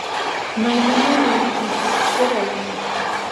میمونۍ ویلې شیرعالمه